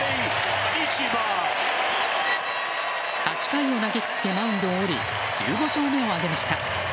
８回を投げ切ってマウンドを降り１５勝目を挙げました。